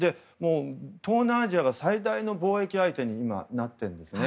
東南アジアが最大の貿易相手に今、なっている。